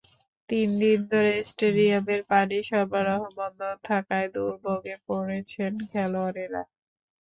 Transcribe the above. তিন দিন ধরে স্টেডিয়ামের পানি সরবরাহ বন্ধ থাকায় দুর্ভোগে পড়েছেন খেলোয়াড়েরা।